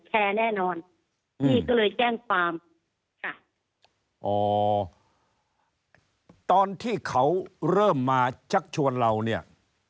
แคร์แน่นอนก็เลยแจ้งความตอนที่เขาเริ่มมาชักชวนเราเนี่ย